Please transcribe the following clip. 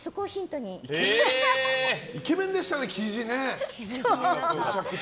イケメンでしたね、キジ。